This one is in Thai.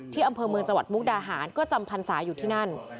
อำเภอเมืองจังหวัดมุกดาหารก็จำพรรษาอยู่ที่นั่น